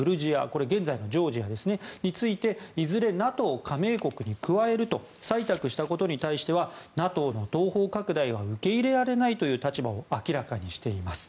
これは現在のジョージアについていずれＮＡＴＯ加盟国に加えると採択したことに対してはＮＡＴＯの東方拡大は受け入れられないという立場を明らかにしています。